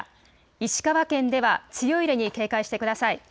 石川県では強い揺れに警戒してください。